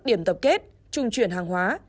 điểm tập kết trung truyền hàng hóa